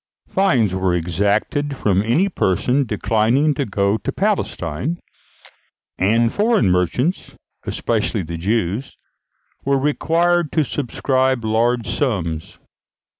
Fines were exacted from any person declining to go to Palestine; and foreign merchants especially the Jews were required to subscribe large sums.